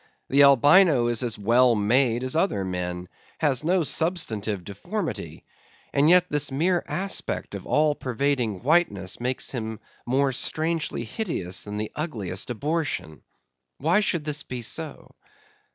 The Albino is as well made as other men—has no substantive deformity—and yet this mere aspect of all pervading whiteness makes him more strangely hideous than the ugliest abortion. Why should this be so?